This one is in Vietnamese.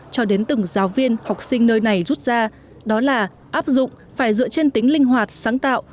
cho đến từng giáo viên học sinh nơi này rút ra đó là áp dụng phải dựa trên tính linh hoạt sáng tạo